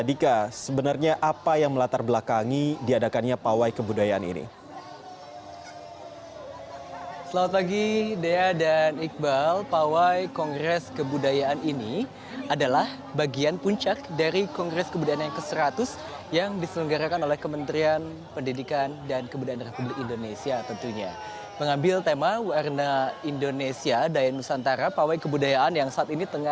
dika sebenarnya apa yang melatar belakangi diadakannya pawai kebudayaan ini